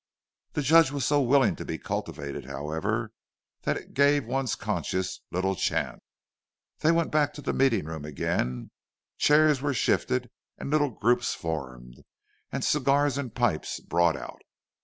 The Judge was so willing to be cultivated, however, that it gave one's conscience little chance. They went back to the meeting room again; chairs were shifted, and little groups formed, and cigars and pipes brought out.